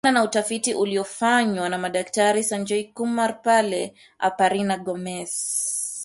Kulingana na utafiti uliofanywa na madaktari Sanjoy Kumar pal Aparina Gomes